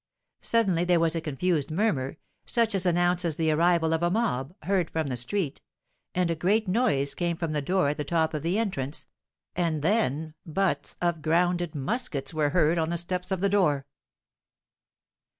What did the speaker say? Suddenly there was a confused murmur, such as announces the arrival of a mob, heard from the street, and a great noise came from the door at the top of the entrance, and then butts of grounded muskets were heard on the steps of the door.